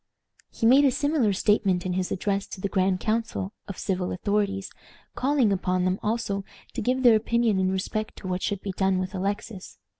He made a similar statement in his address to the grand council of civil authorities, calling upon them also to give their opinion in respect to what should be done with Alexis.